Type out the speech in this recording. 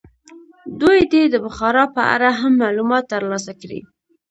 دوی دې د بخارا په اړه هم معلومات ترلاسه کړي.